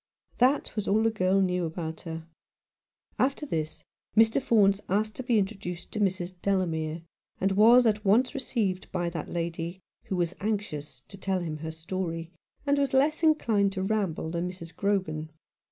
That was all the girl knew about her. After this Mr. Faunce asked to be introduced to Mrs. Delamere, and was at once received by that lady, who was anxious to tell him her story, and was less inclined to ramble than Mrs. Grogan.